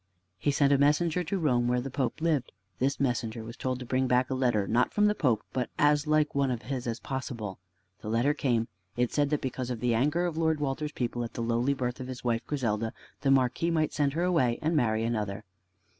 He sent a messenger to Rome, where the Pope lived. This messenger was told to bring back a letter, not from the Pope, but as like one of his as possible. The letter came. It said that because of the anger of Lord Walter's people at the lowly birth of his wife Griselda, the Marquis might send her away and marry another.